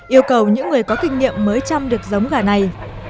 yêu cầu những người có kinh nghiệm mới chăm được giống gà này